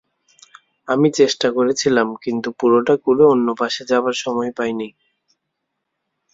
আমি চেষ্টা করেছিলাম, কিন্তু পুরোটা খুঁড়ে অন্যপাশে যাবার সময় পাইনি।